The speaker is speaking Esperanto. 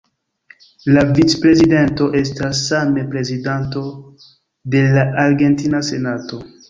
La vicprezidento estas same prezidanto de la argentina senato.